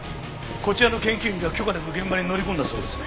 こちらの研究員が許可なく現場に乗り込んだそうですね。